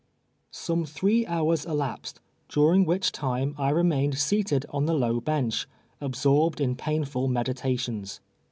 Stnn : three liours elapsed, during "svliieh time I re mained seated on the low bench, absorbed in jniinful meditations.